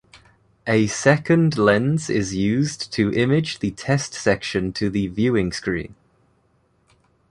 A second lens is used to image the test section to the viewing screen.